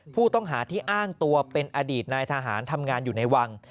ผู้ต้องหาที่อ้างตัวเป็นอดีตนายทหารทำงานอยู่ในวัง